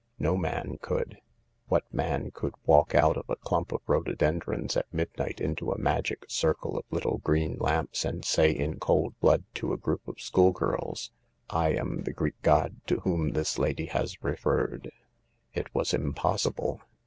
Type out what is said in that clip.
No man could. What man could walk out of a clump of rhododen drons at midnight into a magic circle of little green lamps and say, in cold blood, to a group of schoolgirls :" lam the Greek god to whom this lady has referred "? It was im possible.